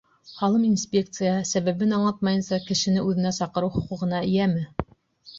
Һалым инспекцияһы, сәбәбен аңлатмайынса, кешене үҙенә саҡырыу хоҡуғына эйәме?